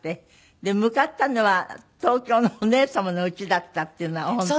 向かったのは東京のお姉様の家だったっていうのは本当？